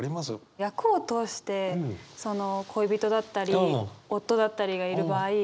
役を通してその恋人だったり夫だったりがいる場合